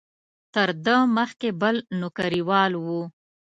تر ده مخکې بل نوکریوال و.